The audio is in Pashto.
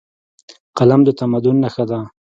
قلم د تمدن نښه ده.